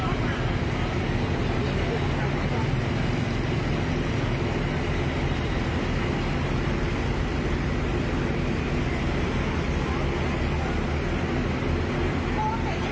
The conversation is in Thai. โหทางตอนนี้